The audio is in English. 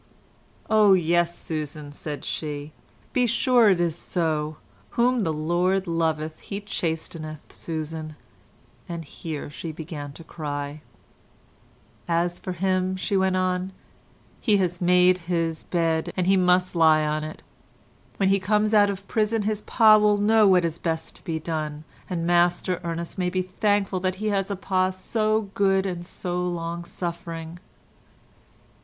"'Oh yes, Susan,' said she, 'be sure it is so. Whom the Lord loveth he chasteneth, Susan,' and here she began to cry again. 'As for him,' she went on, 'he has made his bed, and he must lie on it; when he comes out of prison his pa will know what is best to be done, and Master Ernest may be thankful that he has a pa so good and so long suffering.